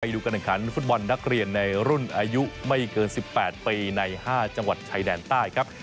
ดูการแข่งขันฟุตบอลนักเรียนในรุ่นอายุไม่เกิน๑๘ปีใน๕จังหวัดชายแดนใต้ครับ